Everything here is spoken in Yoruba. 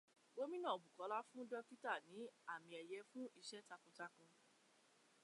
Gómìnà Bùkọ́lá fún Dókítà ní àmì ẹ̀yẹ fún ìṣẹ́ takuntakun.